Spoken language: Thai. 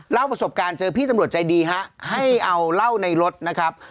เล่าประสบการณ์เจอพี่ตำรวจใจดีฮะให้เอาเหล้าในรถนะครับ